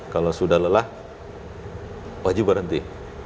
kalau sudah lelah wajib berhenti